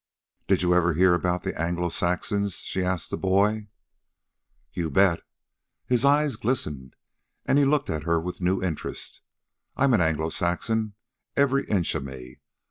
"Did you ever hear about the Anglo Saxons?" she asked the boy. "You bet!" His eyes glistened, and he looked at her with new interest. "I'm an Anglo Saxon, every inch of me.